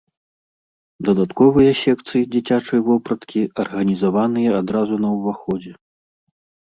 Дадатковыя секцыі дзіцячай вопраткі арганізаваныя адразу на ўваходзе.